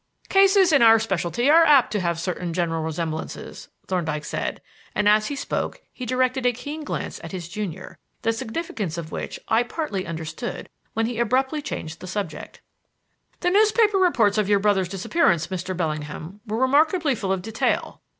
"Cases in our specialty are apt to have certain general resemblances," Thorndyke said; and as he spoke he directed a keen glance at his junior, the significance of which I partly understood when he abruptly changed the subject. "The newspaper reports of your brother's disappearance, Mr. Bellingham, were remarkably full of detail.